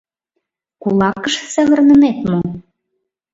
— Кулакыш савырнынет мо?